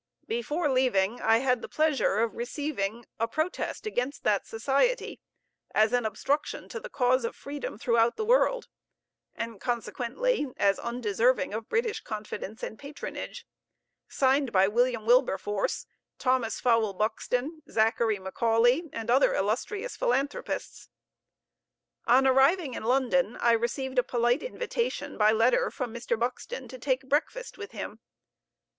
Before leaving, I had the pleasure of receiving a protest against that Society as an obstruction to the cause of freedom throughout the world, and, consequently, as undeserving of British confidence and patronage, signed by William Wilberforce, Thomas Fowell Buxton, Zachary Macaulay, and other illustrious philanthropists. On arriving in London I received a polite invitation by letter from Mr. Buxton to take breakfast with him.